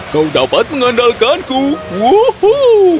kau dapat mengandalkanku wohoo